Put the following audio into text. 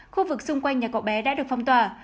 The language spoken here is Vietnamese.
khu vực xung quanh nhà cậu bé đã được phong tỏa